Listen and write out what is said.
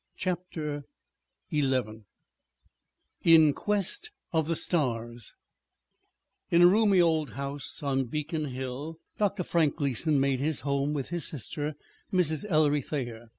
CHAPTER XI IN QUEST OF THE STARS In a roomy old house on Beacon Hill Dr. Frank Gleason made his home with his sister, Mrs. Ellery Thayer.